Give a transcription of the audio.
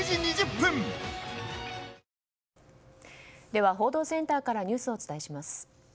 では報道センターからニュースをお伝えします。